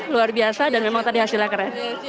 luar biasa dan memang tadi hasilnya keren